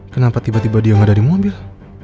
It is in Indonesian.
kenapa tiba tiba dia nggak ada di mobil